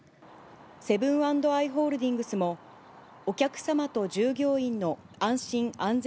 セブン＆アイ・ホールディングスも、お客様と従業員の安心・安全